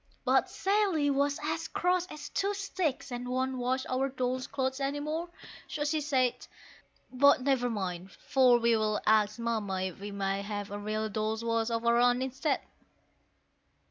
But Sally was as cross as two sticks, and won't wash our dolls' clothes any more so she said, But never mind, for we'll ask Mamma if we may have a real Dolls' Wash of our own instead.